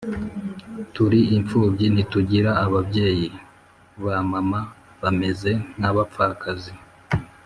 Turi impfubyi ntitugira ababyeyi, Ba mama bameze nk’abapfakazi.